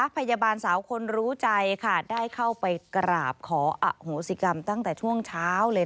พยาบาลสาวคนรู้ใจค่ะได้เข้าไปกราบขออโหสิกรรมตั้งแต่ช่วงเช้าเลย